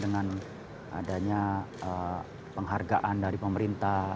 dengan adanya penghargaan dari pemerintah